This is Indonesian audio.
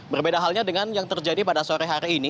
berbeda halnya dengan yang terjadi pada sore hari ini